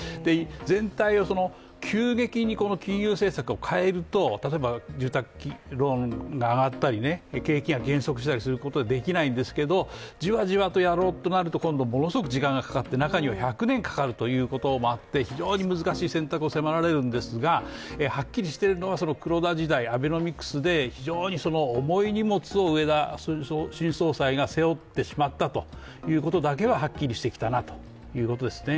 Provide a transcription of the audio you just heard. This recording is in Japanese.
全体を急激に金融政策を変えると例えば住宅ローンが上がったり景気が減速したりするのでできないんですけどじわじわとやろうとなると今度ものすごく時間がかかって中には１００年かかるということもあって非常に難しい選択を迫られるんですがはっきりしているのは、黒田時代アベノミクスで非常に重い荷物を植田新総裁が背負ってしまったということだけははっきりしてきたなということですね。